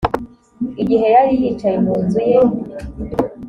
igihe yari yicaye mu nzu ye